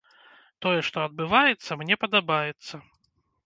Тое, што адбываецца, мне падабаецца.